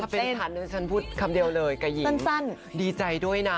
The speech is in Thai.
ถ้าเป็นฉันก็ฉันพูดคำเดียวเลยกับหญิงดีใจด้วยนะ